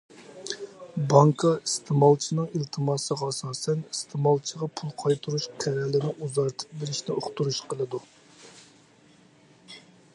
بانكا ئىستېمالچىنىڭ ئىلتىماسىغا ئاساسەن، ئىستېمالچىغا پۇل قايتۇرۇش قەرەلىنى ئۇزارتىپ بېرىشنى ئۇقتۇرۇش قىلىدۇ.